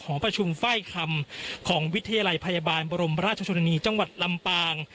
หอประชุมไฟล์คำของวิทยาลัยพยาบาลบรมราชชนนีจังหวัดลำปาง